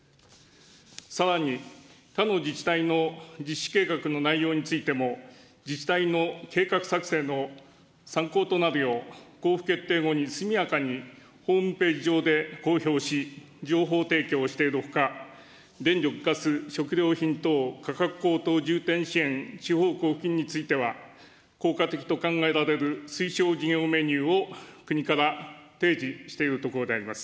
さらに、他の自治体の実施計画の内容についても、自治体の計画作成の参考となるよう、交付決定後に速やかにホームページ上で公表し、情報提供しているほか、電力ガス食料品等価格高騰重点支援地方交付金については、効果的と考えられる推奨事業メニューを国から提示しているところであります。